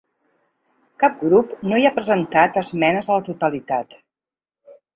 Cap grup no hi ha presentat esmenes a la totalitat.